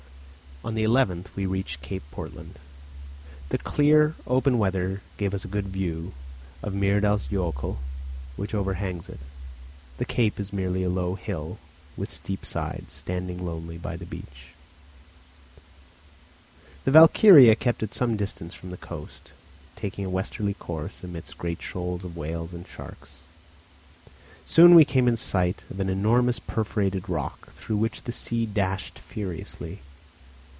On the 11th we reached Cape Portland. The clear open weather gave us a good view of Myrdals jokul, which overhangs it. The cape is merely a low hill with steep sides, standing lonely by the beach. The Valkyria kept at some distance from the coast, taking a westerly course amidst great shoals of whales and sharks. Soon we came in sight of an enormous perforated rock, through which the sea dashed furiously.